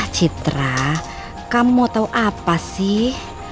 citra kamu tahu apa sih